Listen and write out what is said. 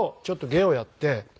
ちょっと芸をやって。